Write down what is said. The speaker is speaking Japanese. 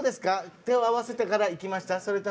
手を合わせてから行きました？